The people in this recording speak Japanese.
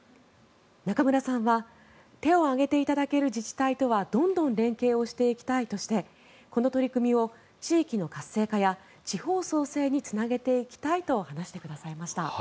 中村さんは手を挙げていただける自治体とはどんどん連携をしていきたいとしてこの取り組みを地域の活性化や地方創生につなげていきたいと話してくださいました。